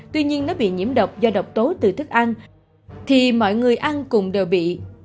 tuy nhiên nó bị nhiễm độc do độc tố từ thức ăn thì mọi người ăn cùng đều bị